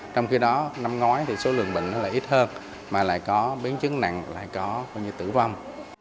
trong khi đó năm ngoái thì số lượng bệnh là ít hơn mà lại có biến chứng nặng lại có coi như tử vong